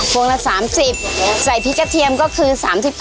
วงละ๓๐ใส่พริกกระเทียมก็คือ๓๙